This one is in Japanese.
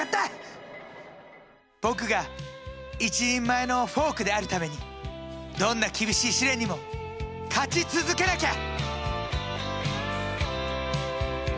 僕が一人前のフォークであるためにどんな厳しい試練にも勝ち続けなきゃ！